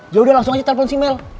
ya udah langsung aja telepon si mel